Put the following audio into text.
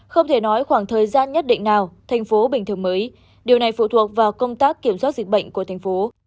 không thể nói khoảng thời gian nhất định nào thành phố bình thường mới điều này phụ thuộc vào công tác kiểm soát dịch bệnh của thành phố